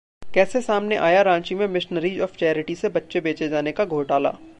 कैसे सामने आया रांची में मिशनरीज ऑफ चैरिटी से बच्चे बेचे जाने का घोटाला?